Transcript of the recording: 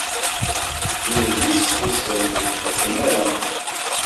Idlisfusen ur fuqen ara.